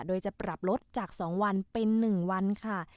โดยจะปรับลดจาก๒วันเป็น๑วันค่ะ